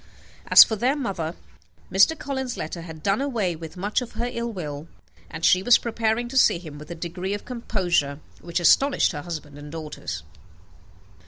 As for their mother, Mr. Collins's letter had done away much of her ill will, and she was preparing to see him with a degree of composure which astonished her husband and daughters.